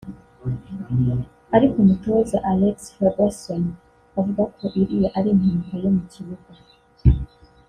Ariko umutoza Alex Fergueson avuga ko iriya ari impanuka yo mu kibuga